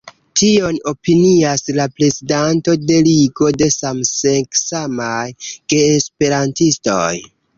Tion opinias la prezidanto de Ligo de Samseksamaj Geesperantistoj.